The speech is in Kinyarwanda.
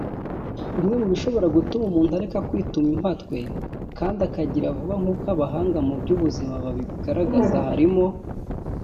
Bimwe mu bishobora gutuma umuntu areka kwituma impatwe kandi agakira vuba nkuko abahanga mu by’ubuzima babigaragaza harimo